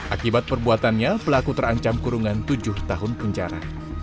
akibat perbuatannya pelaku terancam kurungan tujuh tahun penjara